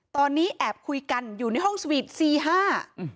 ตอนนี้แอบคุยกันอยู่ในห้องสวีทสี่ห้าอืม